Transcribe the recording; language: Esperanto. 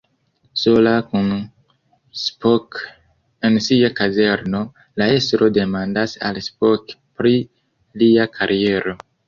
Sola kun Spock en sia kazerno, la estro demandas al Spock pri lia kariero.